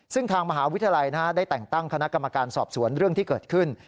ซึ่งทางมหาวิทยาลัยได้แต่งตั้งคณะกรรมการสอบสวนเรื่องที่เกิดขึ้น